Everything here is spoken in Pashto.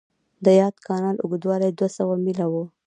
د یاد کانال اوږدوالی دوه سوه میله و.